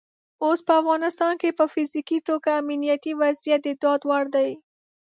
اوس په افغانستان کې په فزیکي توګه امنیتي وضعیت د ډاډ وړ دی.